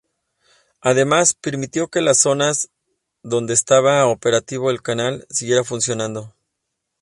Además, permitió que las zonas donde estaba operativo el canal siguieran funcionando.